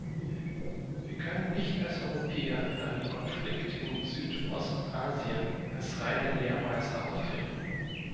Wir können nicht als Europäer in einem Konflikt in Südostasien als reine Lehrmeister auftreten.